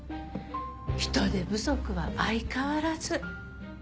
人手不足は相変わらず。